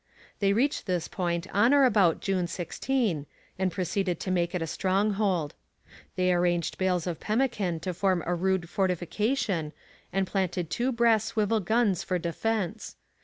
They reached this point on or about June 16, and proceeded to make it a stronghold. They arranged bales of pemmican to form a rude fortification and planted two brass swivel guns for defence.